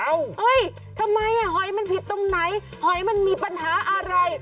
เฮ้ยทำไมหอยมันผิดตรงไหนหอยมันมีปัญหาอะไร